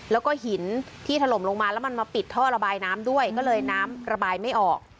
แล้วก็หินที่ถล่มลงมาแล้วมันมาปิดท่อระบายน้ำด้วยก็เลยน้ำระบายไม่ออก